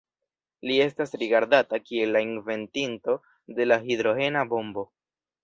Li estas rigardata kiel la inventinto de la hidrogena bombo.